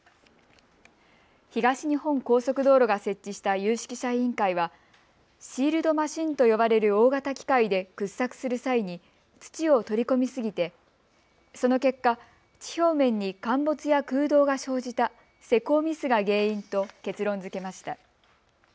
東日本高速道路が設置した有識者委員会はシールドマシンと呼ばれる大型機械で掘削する際に土を取り込みすぎてその結果、地表面に陥没や空洞が生じた施工ミスが原因と結論づけました。